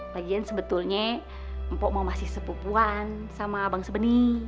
lagian sebetulnya mpok mau masih sepupuan sama bang sabeni